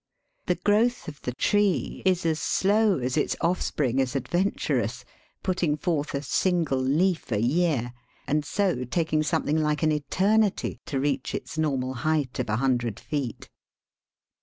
The growth of the tree is as slow as its offspring is adventurous, putting forth a single leaf a year, and so taking something like an eternity to reach its normal height of a hundred feet.